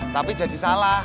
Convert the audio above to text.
tapi jadi salah